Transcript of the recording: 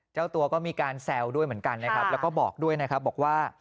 เจ้าตัวก็มีการแซวด้วยเหมือนกันนะครับแล้วก็บอกด้วยนะครับบอกว่า